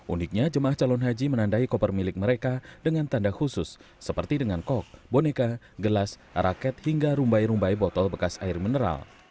uniknya jemaah calon haji menandai koper milik mereka dengan tanda khusus seperti dengan kok boneka gelas araket hingga rumbai rumbai botol bekas air mineral